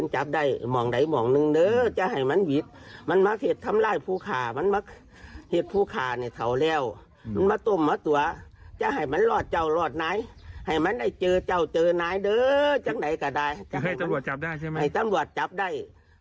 ให้จังหวัดจับได้